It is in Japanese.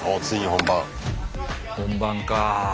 本番かあ。